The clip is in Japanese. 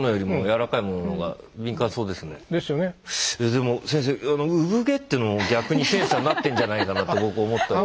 でも先生産毛っていうのも逆にセンサーになってんじゃないかなって僕思ったり。